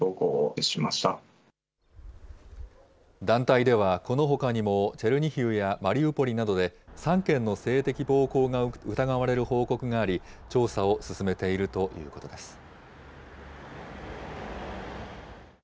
団体ではこのほかにもチェルニヒウやマリウポリなどで、３件の性的暴行が疑われる報告があり、調査を進めているということです。